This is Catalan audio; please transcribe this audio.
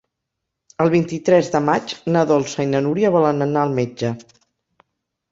El vint-i-tres de maig na Dolça i na Núria volen anar al metge.